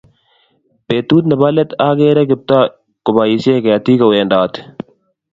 betut nebo let ageere Kiptoo ko kiboisien ketik kowendoti